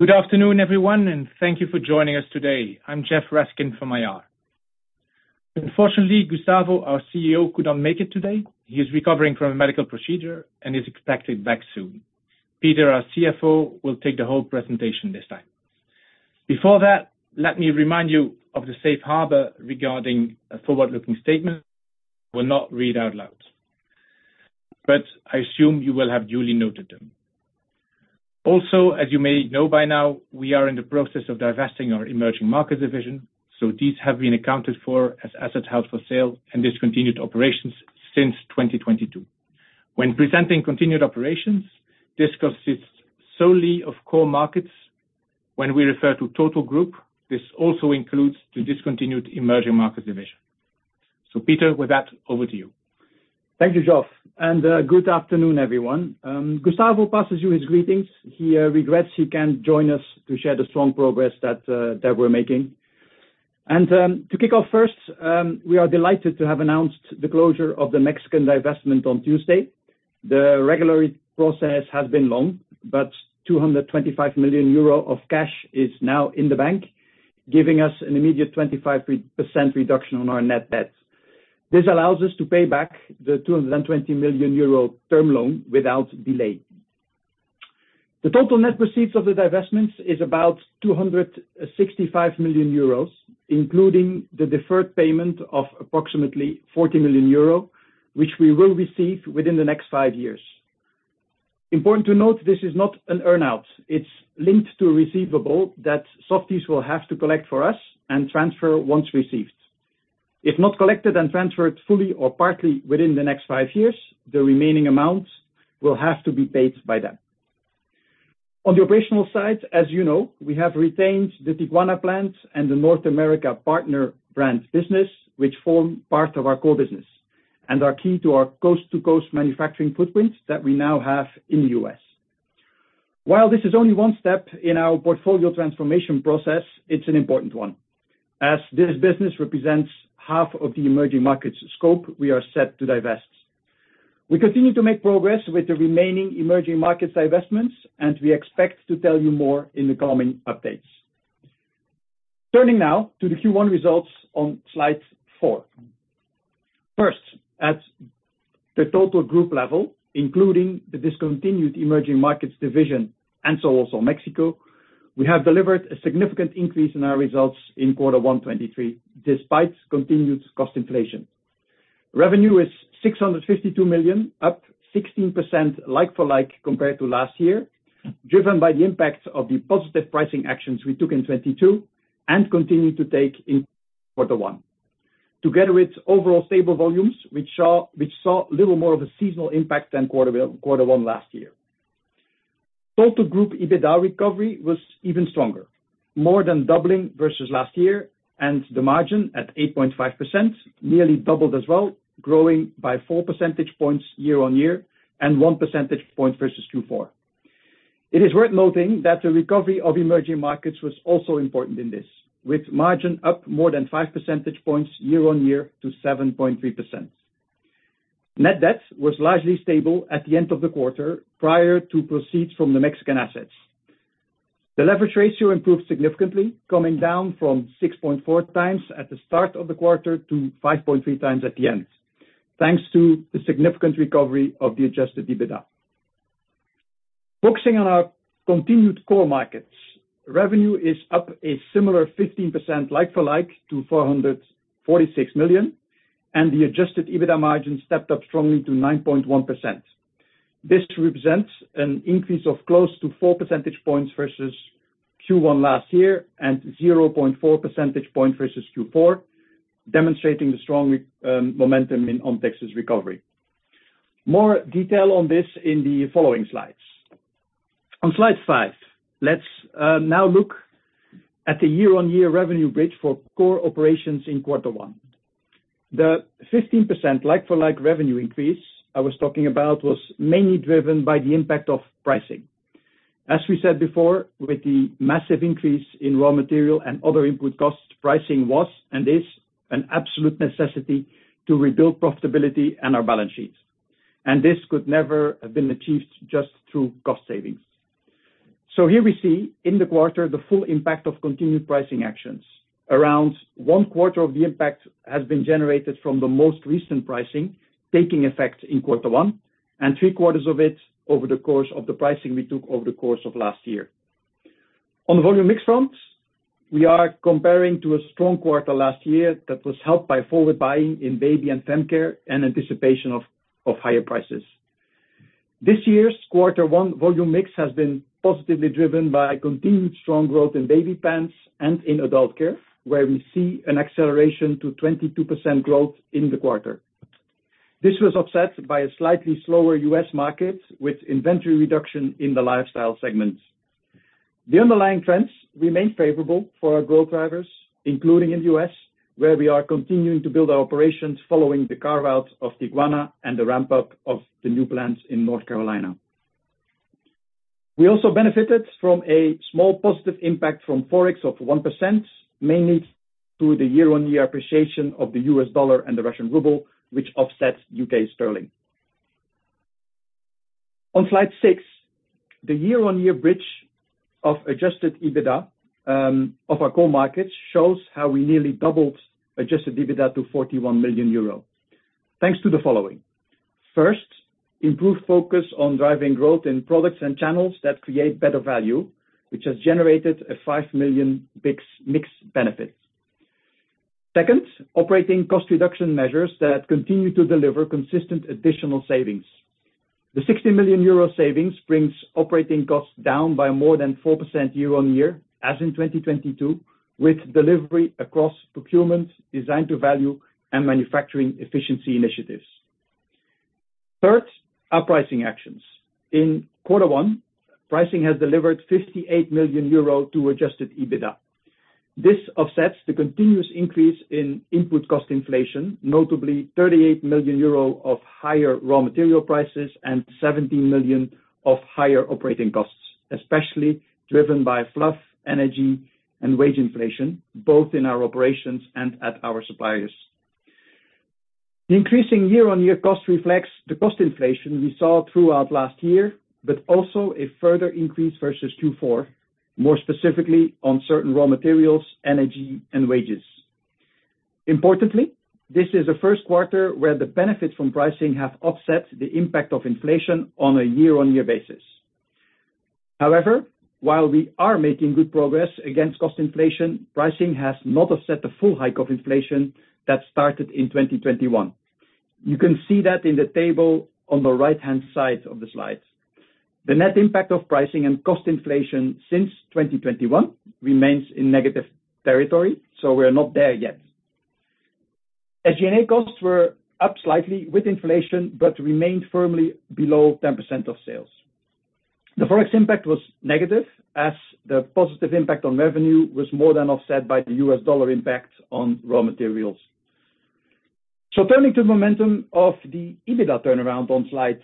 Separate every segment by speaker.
Speaker 1: Good afternoon, everyone, thank you for joining us today. I'm Geoffroy Raskin from IR. Unfortunately, Gustavo, our CEO, could not make it today. He is recovering from a medical procedure and is expected back soon. Peter, our CFO, will take the whole presentation this time. Before that, let me remind you of the safe harbor regarding forward-looking statements will not read out loud. I assume you will have duly noted them. Also, as you may know by now, we are in the process of divesting our emerging markets division, so these have been accounted for as asset held for sale and discontinued operations since 2022. When presenting continued operations, this consists solely of core markets. When we refer to total group, this also includes the discontinued emerging markets division. Peter, with that, over to you.
Speaker 2: Thank you, Geoff. Good afternoon, everyone. Gustavo passes you his greetings. He regrets he can't join us to share the strong progress that we're making. To kick off first, we are delighted to have announced the closure of the Mexican divestment on Tuesday. The regulatory process has been long, but 225 million euro of cash is now in the bank, giving us an immediate 25% reduction on our net debt. This allows us to pay back the 220 million euro term loan without delay. The total net proceeds of the divestments is about 265 million euros, including the deferred payment of approximately 40 million euro, which we will receive within the next five years. Important to note, this is not an earn-out. It's linked to a receivable that Softys will have to collect for us and transfer once received. If not collected and transferred fully or partly within the next five years, the remaining amounts will have to be paid by them. On the operational side, as you know, we have retained the Tijuana plant and the North America partner brand business, which form part of our core business and are key to our coast-to-coast manufacturing footprint that we now have in the U.S. While this is only one step in our portfolio transformation process, it's an important one, as this business represents half of the emerging markets scope we are set to divest. We continue to make progress with the remaining emerging markets divestments, and we expect to tell you more in the coming updates. Turning now to the Q1 results on slide four. First, at the total group level, including the discontinued emerging markets division also Mexico, we have delivered a significant increase in our results in Q1 2023, despite continued cost inflation. Revenue is 652 million, up 16% like-for-like compared to last year, driven by the impact of the positive pricing actions we took in 2022 and continue to take in Q1. Together with overall stable volumes, which saw little more of a seasonal impact than Q1 last year. Total group EBITDA recovery was even stronger, more than doubling versus last year, and the margin at 8.5% nearly doubled as well, growing by four percentage points year-over-year and one percentage point versus Q4. It is worth noting that the recovery of emerging markets was also important in this, with margin up more than 5 percentage points year-on-year to 7.3%. Net debt was largely stable at the end of the quarter, prior to proceeds from the Mexican assets. The leverage ratio improved significantly, coming down from 6.4x at the start of the quarter to 5.3x at the end, thanks to the significant recovery of the adjusted EBITDA. Focusing on our continued core markets, revenue is up a similar 15% like-for-like to 446 million, and the adjusted EBITDA margin stepped up strongly to 9.1%. This represents an increase of close to 4 percentage points versus Q1 last year and 0.4 percentage point versus Q4, demonstrating the strong momentum in Ontex's recovery. More detail on this in the following slides. On slide five, let's now look at the year-on-year revenue bridge for core operations in quarter one. The 15% like-for-like revenue increase I was talking about was mainly driven by the impact of pricing. As we said before, with the massive increase in raw material and other input costs, pricing was and is an absolute necessity to rebuild profitability and our balance sheets. This could never have been achieved just through cost savings. Here we see in the quarter the full impact of continued pricing actions. Around one quarter of the impact has been generated from the most recent pricing taking effect in quarter one and three quarters of it over the course of the pricing we took over the course of last year. On the volume mix front, we are comparing to a strong quarter last year that was helped by forward buying in baby and fem care and anticipation of higher prices. This year's quarter one volume mix has been positively driven by continued strong growth in Baby Pants and in adult care, where we see an acceleration to 22% growth in the quarter. This was offset by a slightly slower U.S. market with inventory reduction in the lifestyle segment. The underlying trends remain favorable for our growth drivers, including in the U.S., where we are continuing to build our operations following the carve-out of Tijuana and the ramp-up of the new plants in North Carolina. We also benefited from a small positive impact from Forex of 1%, mainly through the year-on-year appreciation of the U.S. dollar and the Russian ruble, which offsets U.K. sterling. On slide six, the year-on-year bridge of adjusted EBITDA of our core markets shows how we nearly doubled adjusted EBITDA to 41 million euro. Thanks to the following. First, improved focus on driving growth in products and channels that create better value, which has generated a 5 million mixed benefit. Second, operating cost reduction measures that continue to deliver consistent additional savings. The 60 million euro savings brings operating costs down by more than 4% year on year, as in 2022, with delivery across procurement, design to value and manufacturing efficiency initiatives. Third, our pricing actions. In quarter one, pricing has delivered 58 million euro to adjusted EBITDA. This offsets the continuous increase in input cost inflation, notably 38 million euro of higher raw material prices and 17 million of higher operating costs, especially driven by fluff, energy and wage inflation, both in our operations and at our suppliers. Also a further increase versus Q4, more specifically on certain raw materials, energy and wages. Importantly, this is the first quarter where the benefits from pricing have offset the impact of inflation on a year-on-year basis. While we are making good progress against cost inflation, pricing has not offset the full hike of inflation that started in 2021. You can see that in the table on the right-hand side of the slide. The net impact of pricing and cost inflation since 2021 remains in negative territory, we're not there yet. SG&A costs were up slightly with inflation. Remained firmly below 10% of sales. The Forex impact was negative, as the positive impact on revenue was more than offset by the U.S. dollar impact on raw materials. Turning to the momentum of the EBITDA turnaround on slide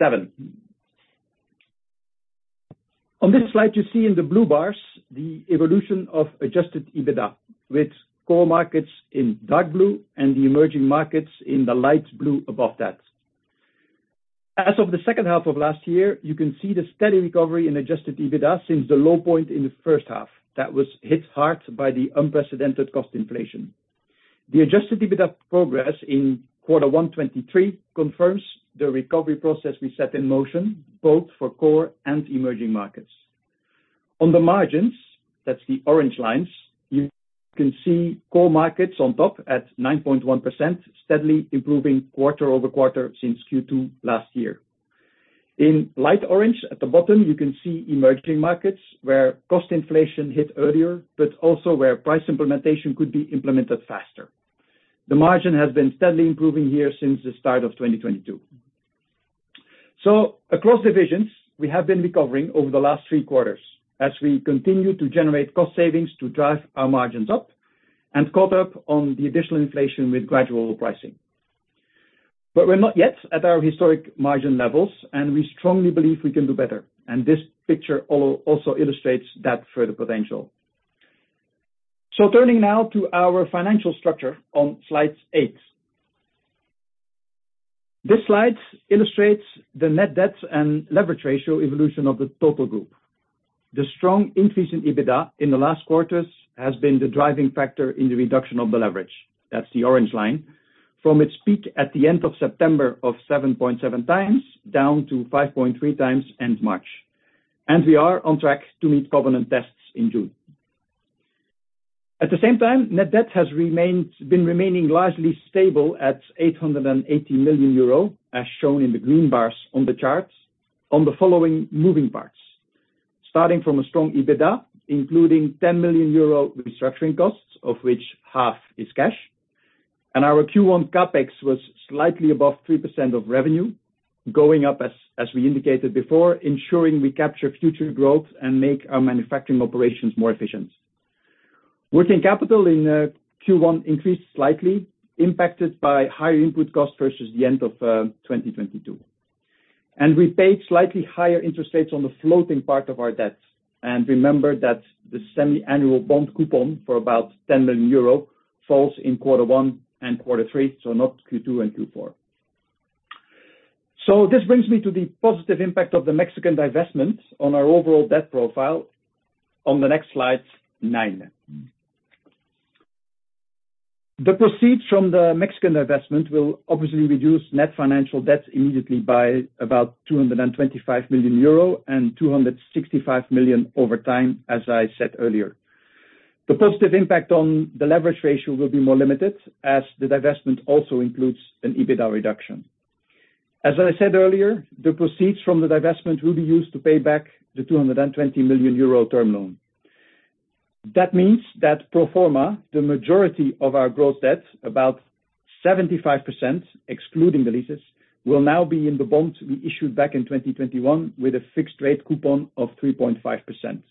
Speaker 2: seven. On this slide, you see in the blue bars the evolution of adjusted EBITDA, with core markets in dark blue and the emerging markets in the light blue above that. As of the second half of last year, you can see the steady recovery in adjusted EBITDA since the low point in the first half that was hit hard by the unprecedented cost inflation. The adjusted EBITDA progress in Q1 2023 confirms the recovery process we set in motion, both for core and emerging markets. On the margins, that's the orange lines, you can see core markets on top at 9.1%, steadily improving quarter-over-quarter since Q2 last year. In light orange at the bottom, you can see emerging markets where cost inflation hit earlier, but also where price implementation could be implemented faster. The margin has been steadily improving here since the start of 2022. Across divisions, we have been recovering over the last three quarters as we continue to generate cost savings to drive our margins up and caught up on the additional inflation with gradual pricing. We're not yet at our historic margin levels, and we strongly believe we can do better. This picture also illustrates that further potential. Turning now to our financial structure on slide eight. This slide illustrates the net debt and leverage ratio evolution of the total group. The strong increase in EBITDA in the last quarters has been the driving factor in the reduction of the leverage. That's the orange line. From its peak at the end of September of 7.7x down to 5.3x end March. We are on track to meet covenant tests in June. At the same time, net debt has been remaining largely stable at 880 million euro, as shown in the green bars on the charts on the following moving parts. Starting from a strong EBITDA, including 10 million euro restructuring costs, of which half is cash. Our Q1 CapEx was slightly above 3% of revenue, going up as we indicated before, ensuring we capture future growth and make our manufacturing operations more efficient. Working capital in Q1 increased slightly, impacted by higher input costs versus the end of 2022. We paid slightly higher interest rates on the floating part of our debt. Remember that the semi-annual bond coupon for about 10 million euro falls in Q1 and Q3, not Q2 and Q4. This brings me to the positive impact of the Mexican divestment on our overall debt profile on the next slide, nine. The proceeds from the Mexican divestment will obviously reduce net financial debt immediately by about 225 million euro and 265 million over time, as I said earlier. The positive impact on the leverage ratio will be more limited as the divestment also includes an EBITDA reduction. As I said earlier, the proceeds from the divestment will be used to pay back the 220 million euro term loan. That means that pro forma, the majority of our gross debt, about 75%, excluding the leases, will now be in the bond we issued back in 2021 with a fixed rate coupon of 3.5%.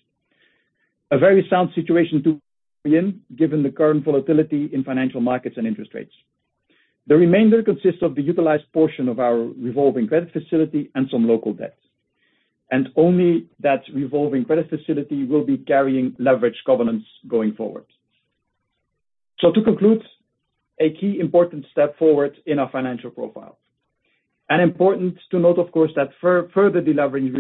Speaker 2: A very sound situation to be in given the current volatility in financial markets and interest rates. The remainder consists of the utilized portion of our revolving credit facility and some local debt, and only that revolving credit facility will be carrying leverage governance going forward. To conclude, a key important step forward in our financial profile. Important to note, of course, that further deleveraging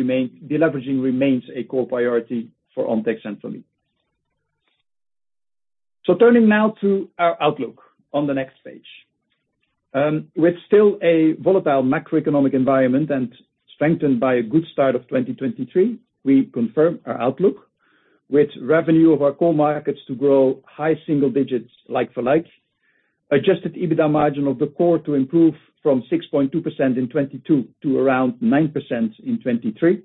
Speaker 2: remains a core priority for Ontex and for me. Turning now to our outlook on the next page. With still a volatile macroeconomic environment and strengthened by a good start of 2023, we confirm our outlook with revenue of our core markets to grow high single digits like-for-like. Adjusted EBITDA margin of the core to improve from 6.2% in 2022 to around 9% in 2023,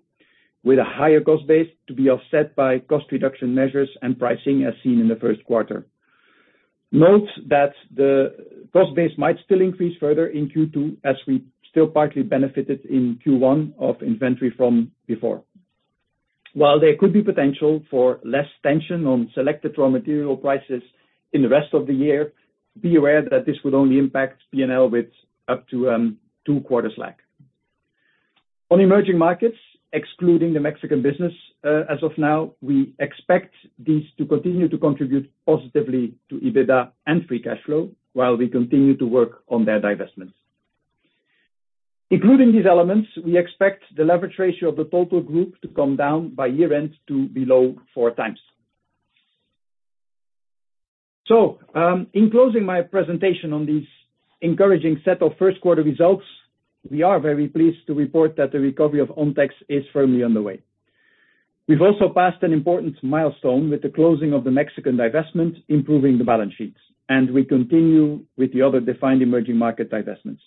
Speaker 2: with a higher cost base to be offset by cost reduction measures and pricing as seen in the first quarter. Note that the cost base might still increase further in Q2 as we still partly benefited in Q1 of inventory from before. While there could be potential for less tension on selected raw material prices in the rest of the year, be aware that this would only impact P&L with up to two quarters lag. On emerging markets, excluding the Mexican business, as of now, we expect these to continue to contribute positively to EBITDA and free cash flow while we continue to work on their divestments. Including these elements, we expect the leverage ratio of the total group to come down by year-end to below 4x. In closing my presentation on these encouraging set of first quarter results, we are very pleased to report that the recovery of Ontex is firmly underway. We've also passed an important milestone with the closing of the Mexican divestment, improving the balance sheets, and we continue with the other defined emerging market divestments.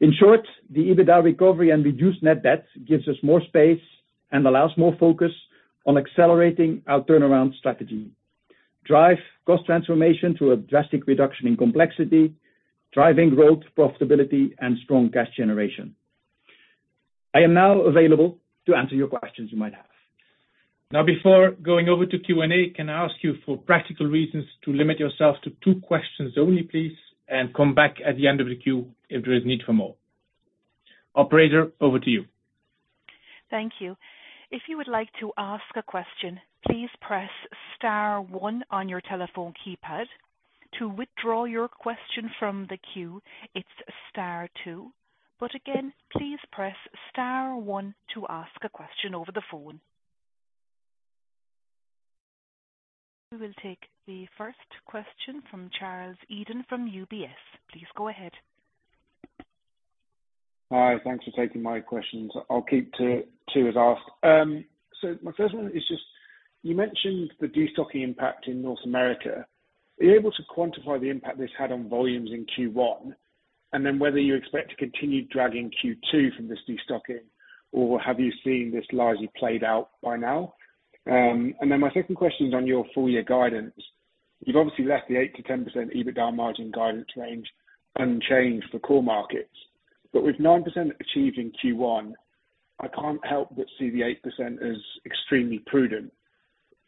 Speaker 2: In short, the EBITDA recovery and reduced net debt gives us more space and allows more focus on accelerating our turnaround strategy. Drive cost transformation through a drastic reduction in complexity, driving growth, profitability, and strong cash generation. I am now available to answer your questions you might have. Now, before going over to Q&A, can I ask you for practical reasons to limit yourself to two questions only, please, and come back at the end of the queue if there is need for more? Operator, over to you.
Speaker 3: Thank you. If you would like to ask a question, please press star one on your telephone keypad. To withdraw your question from the queue, it's star two. Again, please press star one to ask a question over the phone. We will take the first question from Charles Eden from UBS. Please go ahead.
Speaker 4: Hi. Thanks for taking my questions. I'll keep to as as asked. My first one is just, you mentioned the destocking impact in North America. Are you able to quantify the impact this had on volumes in Q1, and then whether you expect to continue dragging Q2 from this destocking, or have you seen this largely played out by now? My second question is on your full year guidance. You've obviously left the 8%-10% EBITDA margin guidance range unchanged for core markets. With 9% achieved in Q1, I can't help but see the 8% as extremely prudent.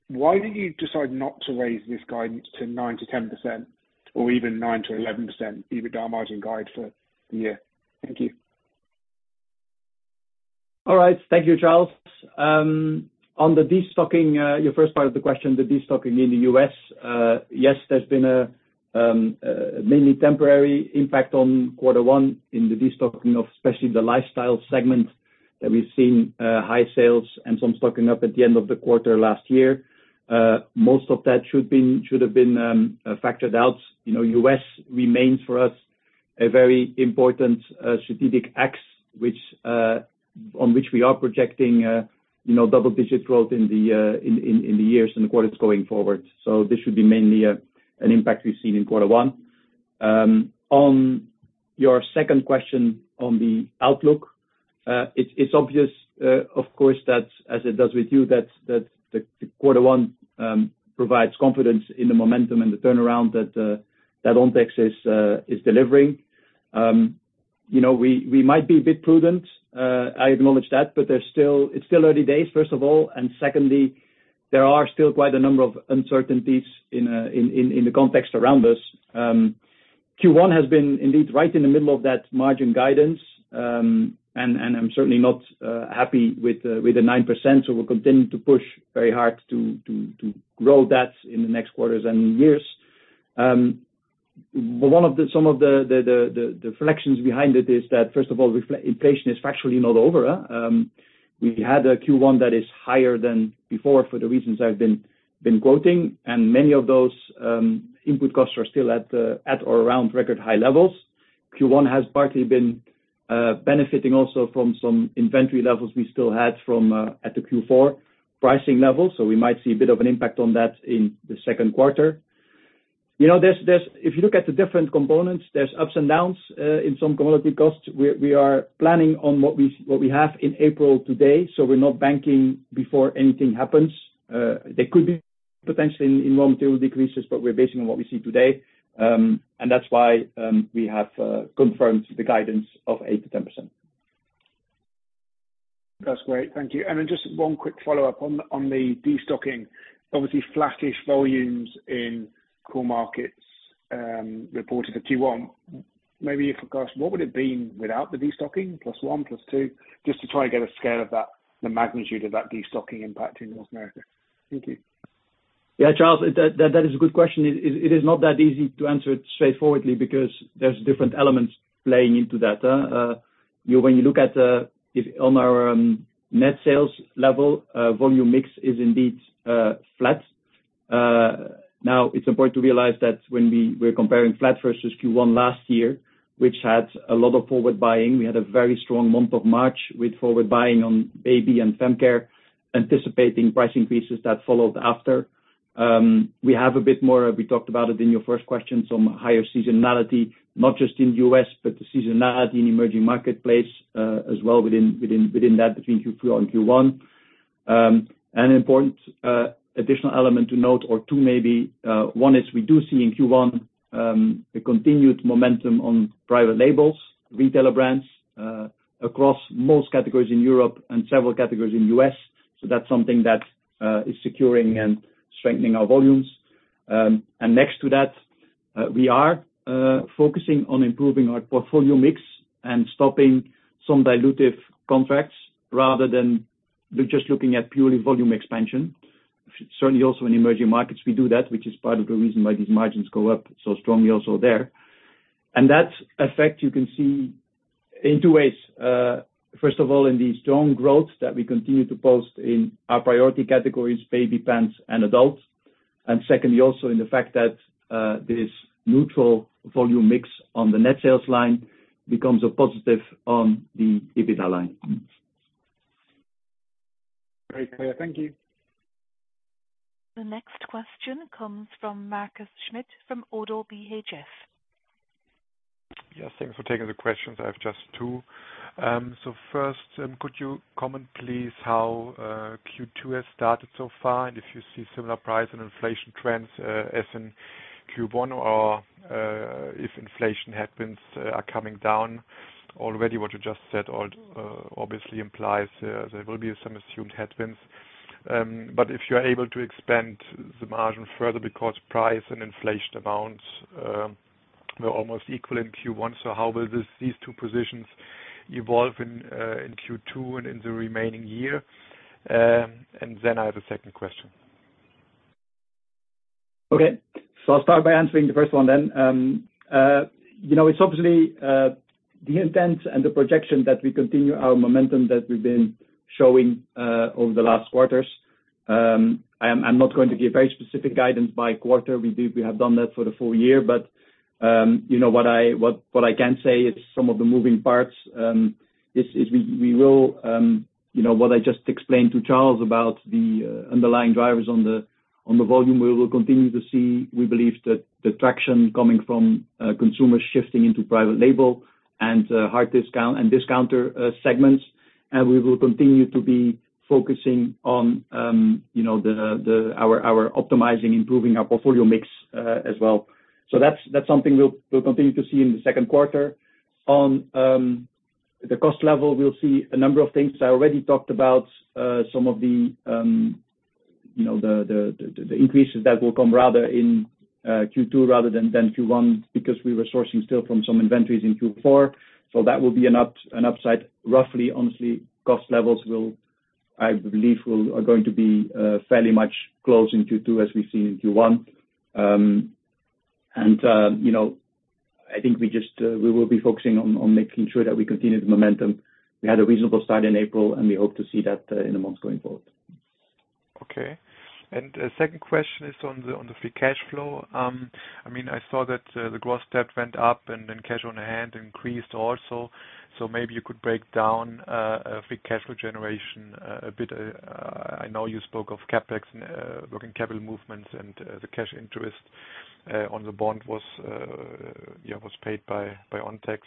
Speaker 4: Why did you decide not to raise this guidance to 9%-10% or even 9%-11% EBITDA margin guide for the year? Thank you.
Speaker 2: All right. Thank you, Charles. On the destocking, your first part of the question, the destocking in the U.S., yes, there's been a mainly temporary impact on quarter one in the destocking of especially the lifestyle segment that we've seen high sales and some stocking up at the end of the quarter last year. Most of that should have been factored out. You know, U.S. remains for us a very important strategic axe which on which we are projecting, you know, double-digit growth in the years and quarters going forward. This should be mainly an impact we've seen in quarter one. On your second question on the outlook, it's obvious, of course, that as it does with you that the Q1 provides confidence in the momentum and the turnaround that Ontex is delivering. You know, we might be a bit prudent, I acknowledge that, but it's still early days, first of all. Secondly, there are still quite a number of uncertainties in the context around us. Q1 has been indeed right in the middle of that margin guidance, and I'm certainly not happy with the 9%, so we'll continue to push very hard to grow that in the next quarters and years. Some of the reflections behind it is that, first of all, inflation is factually not over. We had a Q1 that is higher than before for the reasons I've been quoting, and many of those input costs are still at or around record high levels. Q1 has partly been benefiting also from some inventory levels we still had from at the Q4 pricing level, so we might see a bit of an impact on that in the second quarter. You know, there's if you look at the different components, there's ups and downs in some commodity costs. We are planning on what we have in April today, so we're not banking before anything happens. There could be potentially in raw material decreases. We're basing on what we see today. That's why we have confirmed the guidance of 8%-10%.
Speaker 4: That's great. Thank you. Then just one quick follow-up on the destocking. Obviously, flattish volumes in core markets, reported at Q1. Maybe if you could, what would it been without the destocking, +1%, +2%? Just to try and get a scale of that, the magnitude of that destocking impact in North America. Thank you.
Speaker 2: Yeah, Charles, that is a good question. It is not that easy to answer it straightforwardly because there's different elements playing into that. When you look at if on our net sales level, volume mix is indeed flat. Now it's important to realize that when we're comparing flat versus Q1 last year, which had a lot of forward buying, we had a very strong month of March with forward buying on baby and femcare, anticipating price increases that followed after. We have a bit more, we talked about it in your first question, some higher seasonality, not just in U.S., but the seasonality in emerging marketplace as well within that, between Q4 and Q1. An important additional element to note or two maybe, one is we do see in Q1 a continued momentum on private labels, retailer brands across most categories in Europe and several categories in U.S. That's something that is securing and strengthening our volumes. We are focusing on improving our portfolio mix and stopping some dilutive contracts rather than just looking at purely volume expansion. Certainly also in emerging markets, we do that, which is part of the reason why these margins go up so strongly also there. That effect you can see in two ways. First of all, in the strong growth that we continue to post in our priority categories, baby, Baby Pants, and adult. Secondly, also in the fact that this neutral volume mix on the net sales line becomes a positive on the EBITDA line.
Speaker 4: Great, clear. Thank you.
Speaker 3: The next question comes from Markus Schmitt from ODDO BHF.
Speaker 5: Yes, thanks for taking the questions. I have just two. First, could you comment, please, how Q2 has started so far, and if you see similar price and inflation trends as in Q1 or if inflation headwinds are coming down already? What you just said all obviously implies there will be some assumed headwinds. But if you're able to expand the margin further because price and inflation amounts were almost equal in Q1. How will these two positions evolve in Q2 and in the remaining year? Then I have a second question.
Speaker 2: Okay. I'll start by answering the first one then. You know, it's obviously, the intent and the projection that we continue our momentum that we've been showing, over the last quarters. I'm not going to give very specific guidance by quarter. We have done that for the full year. You know, what I can say is some of the moving parts, is we will, you know, what I just explained to Charles about the underlying drivers on the volume, we will continue to see, we believe that the traction coming from consumers shifting into private label and hard discount and discounter segments. We will continue to be focusing on, you know, our optimizing, improving our portfolio mix, as well. That's something we'll continue to see in the second quarter. On the cost level, we'll see a number of things. I already talked about some of the, you know, the increases that will come rather in Q2 rather than Q1 because we were sourcing still from some inventories in Q4. That will be an upside, roughly, honestly, cost levels will, I believe, are going to be fairly much close in Q2 as we've seen in Q1. You know, I think we just, we will be focusing on making sure that we continue the momentum. We had a reasonable start in April, and we hope to see that in the months going forward.
Speaker 5: Okay. The second question is on the free cash flow. I mean, I saw that the gross debt went up and then cash on hand increased also. Maybe you could break down free cash flow generation a bit. I know you spoke of CapEx and working capital movements and the cash interest on the bond was paid by Ontex.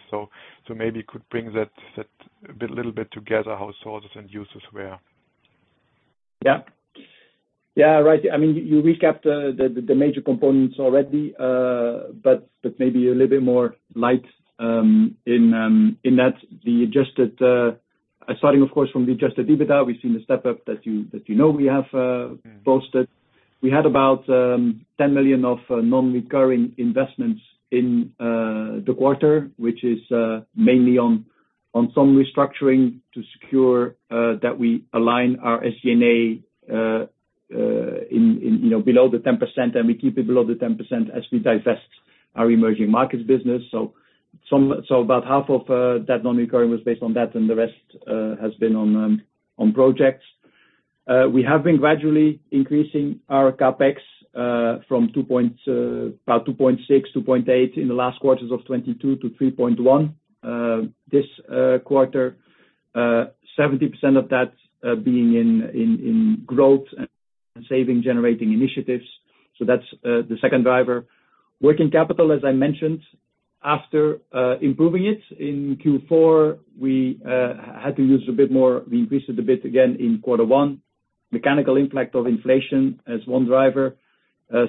Speaker 5: Maybe you could bring that bit, little bit together, how sources and users were.
Speaker 2: Yeah. Right. I mean, you recapped the major components already. Maybe a little bit more light. Starting, of course, from the adjusted EBITDA, we've seen the step-up that you know we have posted. We had about 10 million of non-recurring investments in the quarter, which is mainly on some restructuring to secure that we align our SG&A in, you know, below the 10%, and we keep it below the 10% as we divest our emerging markets business. About half of that non-recurring was based on that, and the rest has been on projects. We have been gradually increasing our CapEx from about 2.6%, 2.8% in the last quarters of 2022 to 3.1% this quarter. 70% of that being in growth and saving generating initiatives. That's the second driver. Working capital, as I mentioned, after improving it in Q4, we had to use a bit more. We increased it a bit again in quarter one. Mechanical impact of inflation as one driver.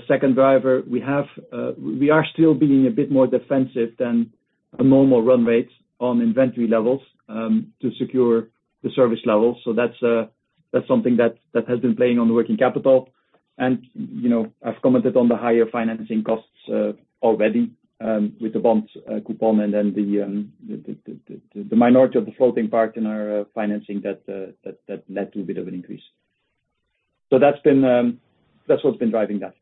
Speaker 2: Second driver, we are still being a bit more defensive than a normal run rate on inventory levels to secure the service levels. That's something that has been playing on the working capital. You know, I've commented on the higher financing costs already with the bonds coupon and then the minority of the floating part in our financing that led to a bit of an increase. That's been what's been driving that.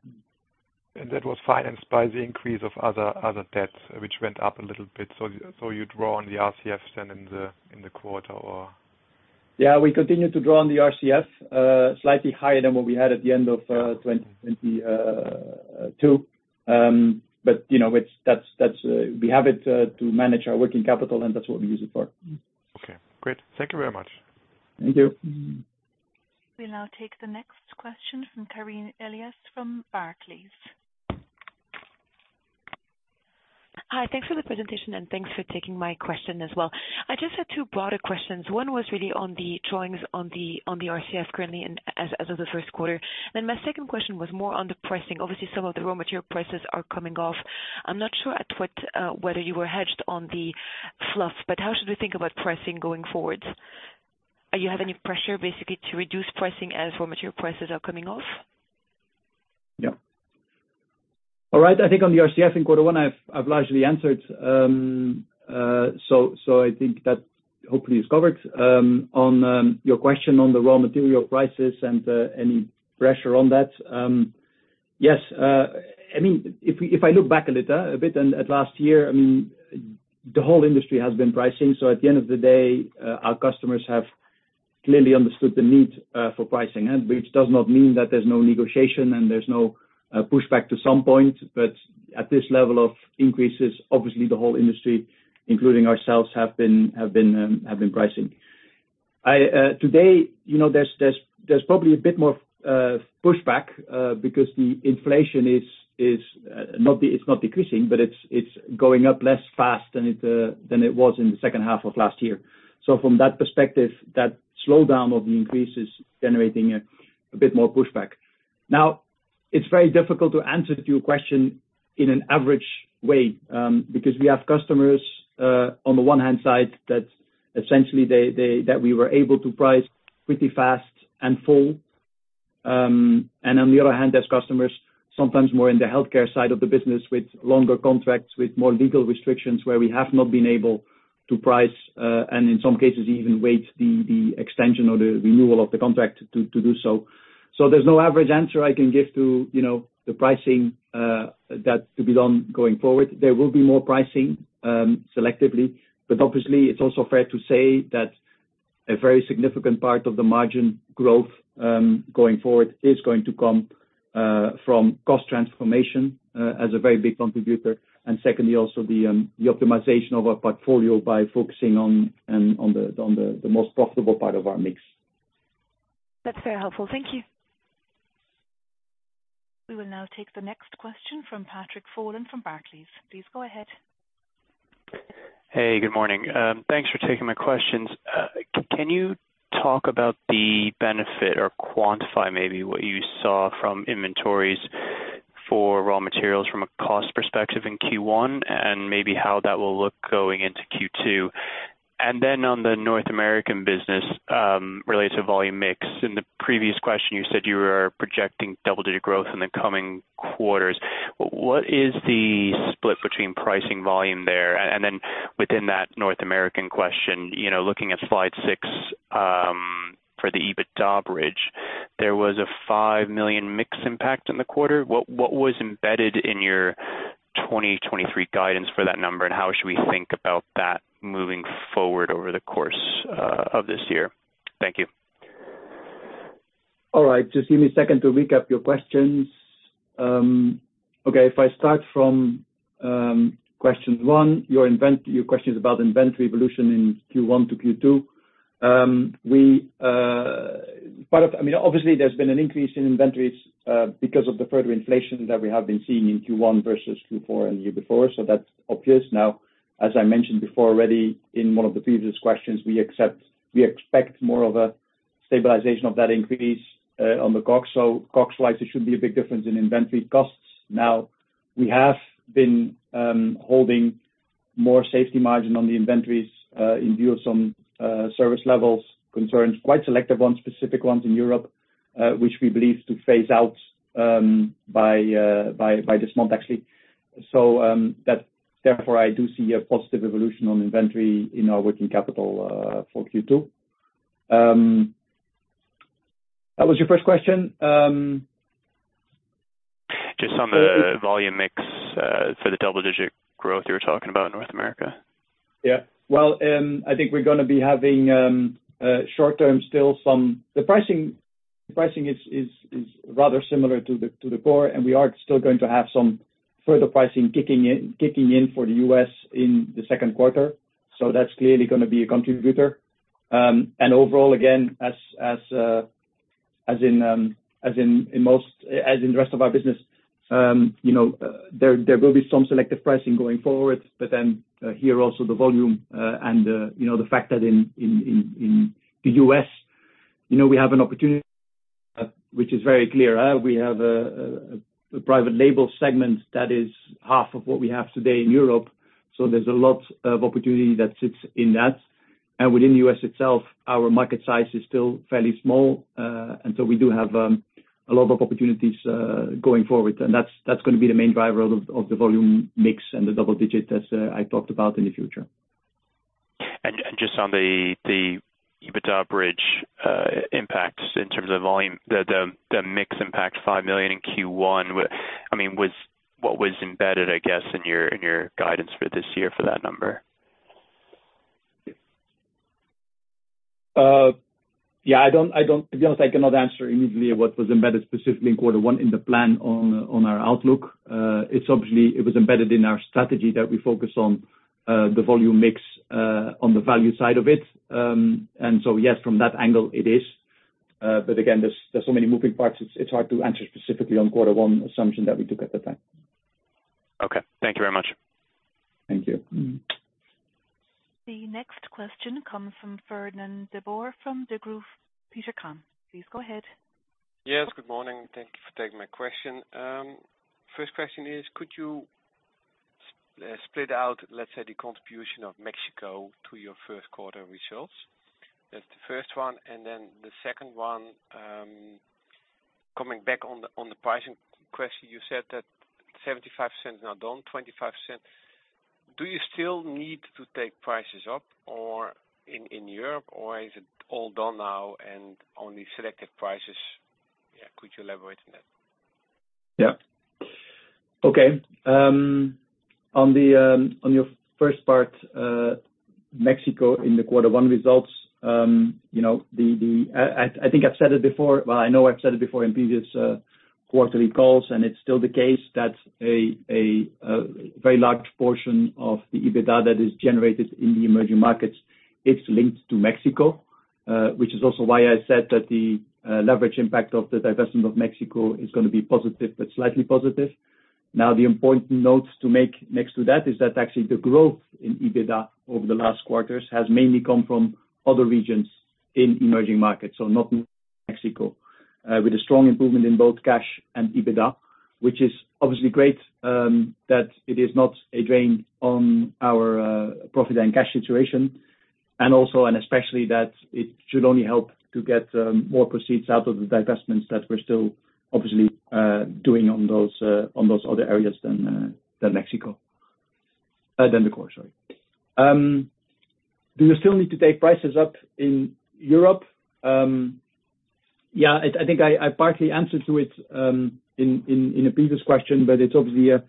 Speaker 5: That was financed by the increase of other debts which went up a little bit. You draw on the RCFs then in the quarter, or?
Speaker 2: Yeah, we continue to draw on the RCF, slightly higher than what we had at the end of 2022. You know, that's we have it to manage our working capital, and that's what we use it for.
Speaker 5: Okay, great. Thank you very much.
Speaker 2: Thank you.
Speaker 3: We'll now take the next question from Karine Elias from Barclays.
Speaker 6: Hi. Thanks for the presentation, and thanks for taking my question as well. I just had two broader questions. One was really on the drawings on the RCF currently and as of the first quarter. My second question was more on the pricing. Obviously, some of the raw material prices are coming off. I'm not sure at what whether you were hedged on the fluff, but how should we think about pricing going forward? You have any pressure basically to reduce pricing as raw material prices are coming off?
Speaker 2: Yeah. All right. I think on the RCF in quarter one, I've largely answered. So I think that hopefully is covered. On your question on the raw material prices and any pressure on that, yes. I mean, if I look back a little bit and at last year, I mean, the whole industry has been pricing. At the end of the day, our customers have clearly understood the need for pricing. Which does not mean that there's no negotiation and there's no pushback to some point. At this level of increases, obviously the whole industry, including ourselves, have been pricing. I today, you know, there's probably a bit more pushback because the inflation is not decreasing, but it's going up less fast than it than it was in the second half of last year. From that perspective, that slowdown of the increase is generating a bit more pushback. It's very difficult to answer to your question in an average way, because we have customers on the one hand side that essentially that we were able to price pretty fast and full. On the other hand, there's customers, sometimes more in the healthcare side of the business, with longer contracts, with more legal restrictions, where we have not been able to price, and in some cases even wait the extension or the renewal of the contract to do so. There's no average answer I can give to, you know, the pricing that to be done going forward. There will be more pricing, selectively, but obviously it's also fair to say that a very significant part of the margin growth going forward is going to come from cost transformation as a very big contributor. Secondly, also the optimization of our portfolio by focusing on the most profitable part of our mix.
Speaker 6: That's very helpful. Thank you.
Speaker 3: We will now take the next question from Patrick Folan from Barclays. Please go ahead.
Speaker 7: Hey, good morning. Thanks for taking my questions. Can you talk about the benefit or quantify maybe what you saw from inventories for raw materials from a cost perspective in Q1 and maybe how that will look going into Q2? On the North American business, related to volume mix, in the previous question you said you were projecting double-digit growth in the coming quarters. What is the split between pricing volume there? Within that North American question, you know, looking at slide six, for the EBITDA bridge, there was a 5 million mix impact in the quarter. What was embedded in your 2023 guidance for that number, and how should we think about that moving forward over the course of this year? Thank you.
Speaker 2: All right. Just give me a second to recap your questions. Okay. I start from question one, your question is about inventory evolution in Q1 to Q2. We, I mean, obviously there's been an increase in inventories because of the further inflation that we have been seeing in Q1 versus Q4 and the year before, that's obvious. As I mentioned before already in one of the previous questions, we expect more of a stabilization of that increase on the costs. Costs slides, there should be a big difference in inventory costs. We have been holding more safety margin on the inventories in view of some service levels concerns, quite selective ones, specific ones in Europe, which we believe to phase out by this month, actually. Therefore, I do see a positive evolution on inventory in our working capital for Q2. That was your first question.
Speaker 7: Just on the volume mix, for the double-digit growth you're talking about in North America.
Speaker 2: Yeah. Well, I think we're gonna be having short-term still some... The pricing is rather similar to the core, and we are still going to have some further pricing kicking in for the U.S. in the second quarter. That's clearly gonna be a contributor. And overall, again, as in most, as in the rest of our business, you know, there will be some selective pricing going forward. Here also the volume, and, you know, the fact that in the U.S., you know, we have an opportunity which is very clear. We have a private label segment that is half of what we have today in Europe. There's a lot of opportunity that sits in that. And within the U.S. itself, our market size is still fairly small, and so we do have a lot of opportunities going forward. That's gonna be the main driver of the volume mix and the double digit as I talked about in the future.
Speaker 7: Just on the EBITDA bridge, impacts in terms of volume, the mix impact 5 million in Q1, I mean, what was embedded, I guess, in your guidance for this year for that number?
Speaker 2: Yeah, I don't. To be honest, I cannot answer immediately what was embedded specifically in quarter one in the plan on our outlook. It's obviously, it was embedded in our strategy that we focus on the volume mix on the value side of it. Yes, from that angle it is. Again, there's so many moving parts, it's hard to answer specifically on quarter one assumption that we took at the time.
Speaker 7: Okay. Thank you very much.
Speaker 2: Thank you.
Speaker 3: The next question comes from Fernand de Boer from Degroof Petercam. Please go ahead.
Speaker 8: Yes. Good morning. Thank you for taking my question. First question is, could you split out, let's say, the contribution of Mexico to your first quarter results? That's the first one. The second one, coming back on the pricing question, you said that 75% is now done, 25%. Do you still need to take prices up or in Europe, or is it all done now and only selective prices? Yeah. Could you elaborate on that?
Speaker 2: Yeah. Okay. On the, on your first part, Mexico in the quarter one results, you know, I think I've said it before. Well, I know I've said it before in previous quarterly calls, and it's still the case that a very large portion of the EBITDA that is generated in the emerging markets, it's linked to Mexico, which is also why I said that the leverage impact of the divestment of Mexico is gonna be positive but slightly positive. The important notes to make next to that is that actually the growth in EBITDA over the last quarters has mainly come from other regions in emerging markets, so not Mexico, with a strong improvement in both cash and EBITDA, which is obviously great, that it is not a drain on our profit and cash situation, also, especially that it should only help to get more proceeds out of the divestments that we're still obviously doing on those on those other areas than than Mexico. Than the core, sorry. Do you still need to take prices up in Europe? I think I partly answered to it in a previous question, but it's obviously a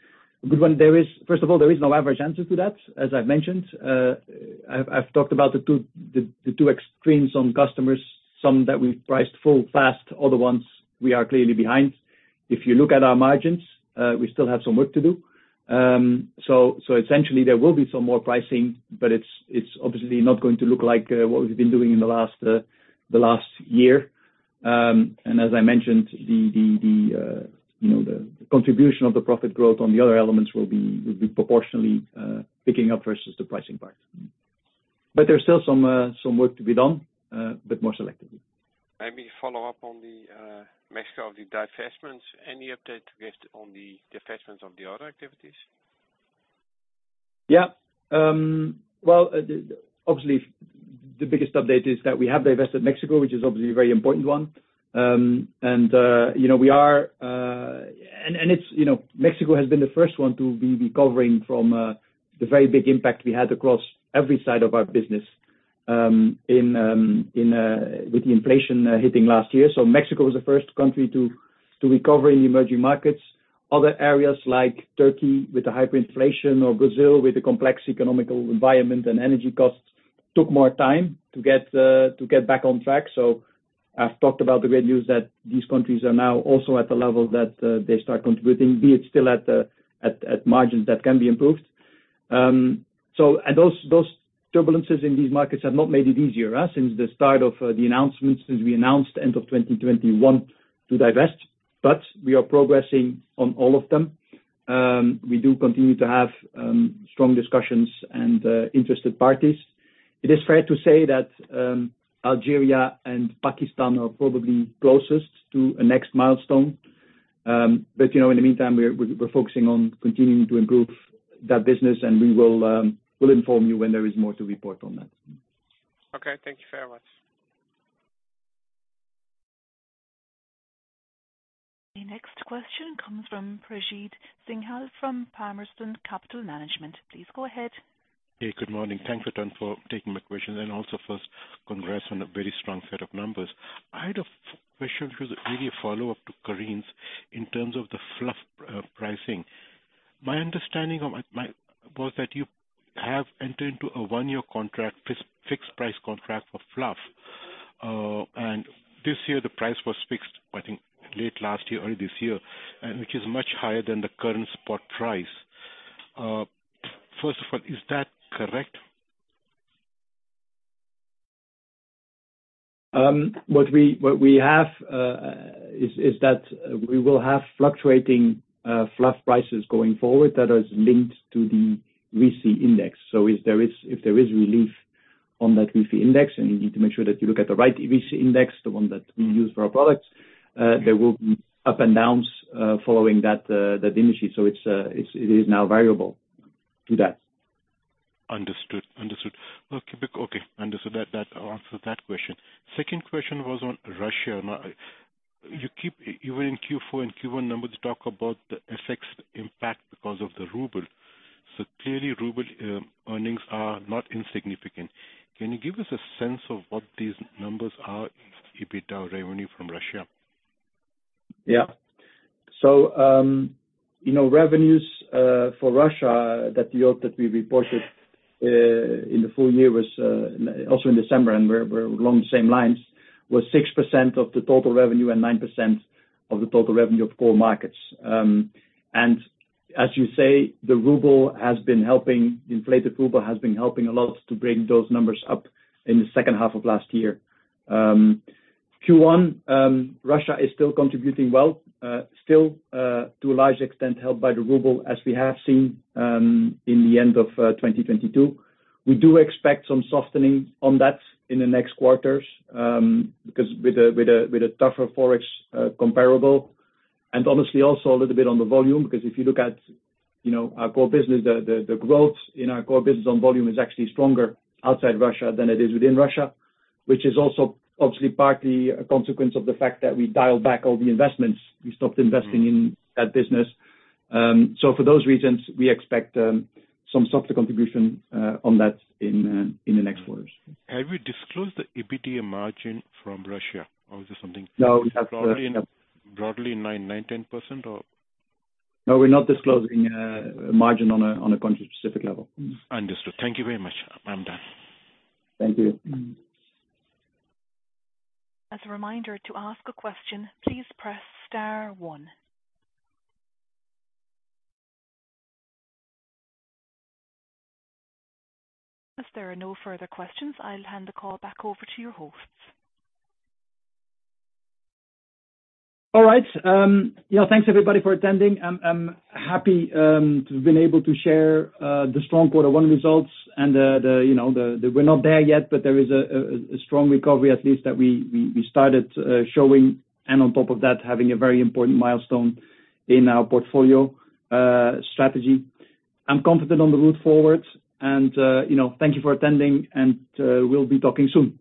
Speaker 2: good one. There is... First of all, there is no average answer to that, as I've mentioned. I've talked about the two extremes on customers, some that we've priced full fast, other ones we are clearly behind. If you look at our margins, we still have some work to do. Essentially there will be some more pricing, but it's obviously not going to look like what we've been doing in the last year. As I mentioned, the, you know, the contribution of the profit growth on the other elements will be proportionally picking up versus the pricing part. There's still some work to be done, but more selectively.
Speaker 8: Maybe follow up on the Mexico of the divestments. Any update you have on the divestments of the other activities?
Speaker 2: Yeah. Well, obviously the biggest update is that we have divested Mexico, which is obviously a very important one. You know, we are. It's, you know, Mexico has been the first one to be recovering from the very big impact we had across every side of our business, in with the inflation hitting last year. Mexico was the first country to recover in the emerging markets. Other areas like Turkey with the hyperinflation or Brazil with the complex economical environment and energy costs, took more time to get to get back on track. I've talked about the great news that these countries are now also at the level that they start contributing, be it still at margins that can be improved. Those turbulences in these markets have not made it easier since the start of the announcements, since we announced end of 2021 to divest, but we are progressing on all of them. We do continue to have strong discussions and interested parties. It is fair to say that Algeria and Pakistan are probably closest to a next milestone. You know, in the meantime, we're focusing on continuing to improve that business and we will inform you when there is more to report on that.
Speaker 8: Okay. Thank you very much.
Speaker 3: The next question comes from Prajit Singh from Palmerston Capital Management. Please go ahead.
Speaker 9: Hey, good morning. Thanks, Peter, for taking my question, and also first congrats on a very strong set of numbers. I had a question to really follow up to Karine's in terms of the Fluff pricing. My understanding was that you have entered into a one-year contract, fixed price contract for Fluff. This year the price was fixed, I think, late last year, early this year, which is much higher than the current spot price. First of all, is that correct?
Speaker 2: What we have is that we will have fluctuating fluff prices going forward that is linked to the RISI Index. If there is relief on that RISI Index, and you need to make sure that you look at the right RISI Index, the one that we use for our products, there will be up and downs following that industry. It is now variable to that.
Speaker 9: Understood. Understood. Okay, that answers that question. Second question was on Russia. You keep, even in Q4 and Q1 numbers, you talk about the FX impact because of the ruble. Clearly ruble earnings are not insignificant. Can you give us a sense of what these numbers are in EBITDA revenue from Russia?
Speaker 2: You know, revenues for Russia that we reported in the full year was also in December, and we're along the same lines, was 6% of the total revenue and 9% of the total revenue of core markets. As you say, the ruble has been helping, inflated ruble has been helping a lot to bring those numbers up in the second half of last year. Q1, Russia is still contributing well, still to a large extent helped by the ruble as we have seen in the end of 2022. We do expect some softening on that in the next quarters, because with a tougher Forex comparable, and honestly also a little bit on the volume. If you look at, you know, our core business, the, the growth in our core business on volume is actually stronger outside Russia than it is within Russia, which is also obviously partly a consequence of the fact that we dialed back all the investments. We stopped investing in that business. For those reasons, we expect some softer contribution on that in the next quarters.
Speaker 9: Have you disclosed the EBITDA margin from Russia or is it something?
Speaker 2: No. That's.
Speaker 9: Probably in, broadly in 9%-10%, or?
Speaker 2: No, we're not disclosing margin on a country-specific level.
Speaker 9: Understood. Thank you very much. I'm done.
Speaker 2: Thank you.
Speaker 3: As a reminder to ask a question, please press star one. As there are no further questions, I'll hand the call back over to your hosts.
Speaker 2: All right. You know, thanks everybody for attending. I'm happy to have been able to share the strong quarter one results and, you know, We're not there yet, but there is a strong recovery at least that we started showing and on top of that, having a very important milestone in our portfolio strategy. I'm confident on the route forward and, you know, thank you for attending and we'll be talking soon.